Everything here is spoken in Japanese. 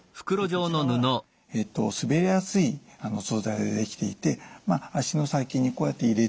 こちらは滑りやすい素材で出来ていて足の先にこうやって入れていただきます。